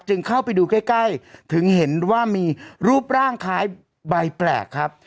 เข้าไปดูใกล้ถึงเห็นว่ามีรูปร่างคล้ายใบแปลกครับ